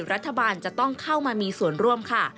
รัฐบาลจะต้องเข้ามามีส่วนร่วมค่ะ